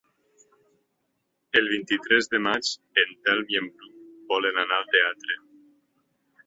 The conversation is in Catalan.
El vint-i-tres de maig en Telm i en Bru volen anar al teatre.